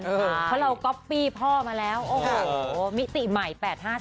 เพราะเราก๊อปปี้พ่อมาแล้วโอ้โหมิติใหม่๘๕๓